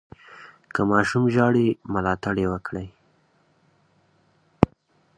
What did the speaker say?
که ماشوم ژاړي، ملاتړ یې وکړئ.